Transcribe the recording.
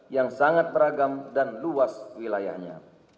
yang sangat beragam dan luas wilayahnya